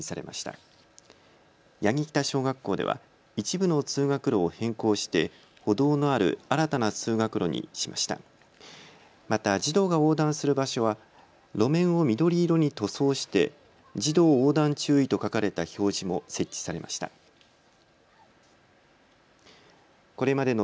また児童が横断する場所は路面を緑色に塗装して児童横断注意と書かれた表示も設置されました。